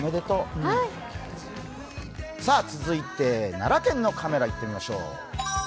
続いて奈良県のカメラ、いってみましょう。